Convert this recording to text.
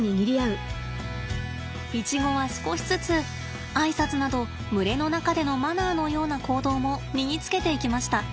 イチゴは少しずつあいさつなど群れの中でのマナーのような行動も身につけていきました。